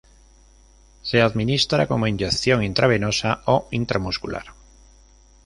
Se administra como inyección intravenosa o intramuscular.